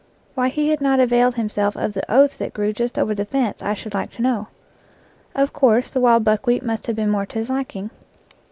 Why he had not availed himself of the oats that grew just over the fence I should like to know. Of course, the wild buckwheat must have been more to his liking.